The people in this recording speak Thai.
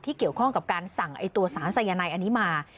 เกี่ยวข้องกับการสั่งตัวสารสายนายอันนี้มา